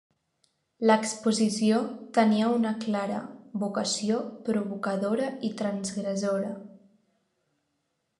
L'exposició tenia una clara vocació provocadora i transgressora.